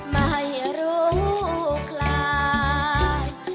ไม่รู้คลาย